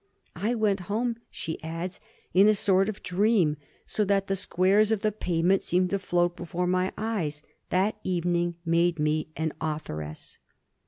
"I went home," she adds, "in a sort of dream, so that the squares of the pavement seemed to float before my eyes. That evening made me an authoress."